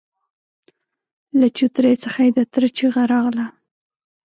له چوترې څخه يې د تره چيغه راغله!